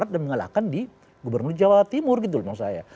dan mengalahkan di gubernur jawa timur gitu loh maksud saya